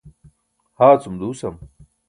haacum duusam